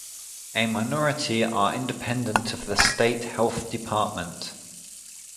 A minority are independent of the state health department.